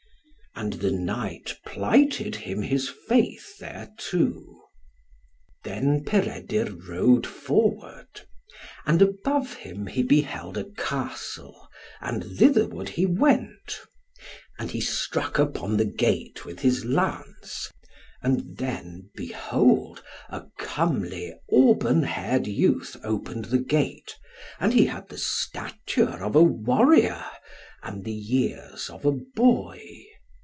And the knight plighted him his faith thereto. Then Peredur rode forward. And above him he beheld a castle, and thitherward he went. And he struck upon the gate with his lance, and then, behold a comely auburn haired youth opened the gate, and he had the stature of a warrior, and the years of a boy.